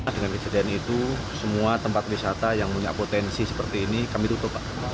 dengan kejadian itu semua tempat wisata yang punya potensi seperti ini kami tutup pak